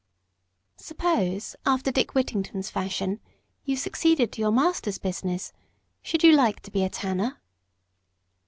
"Suppose, after Dick Whittington's fashion, you succeeded to your master's business, should you like to be a tanner?"